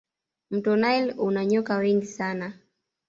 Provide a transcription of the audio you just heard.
mto naili una nyoka wengi sana